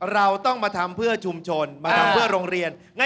เราต้องมาทำเพื่อชุมชนมาทำเพื่อโรงเรียน